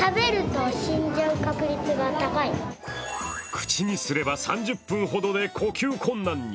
口にすれば３０分ほどで呼吸困難に。